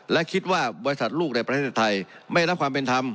และคิดว่าบริษัทลูกในประเทศไทยไม่ได้รับความเป็นธรรม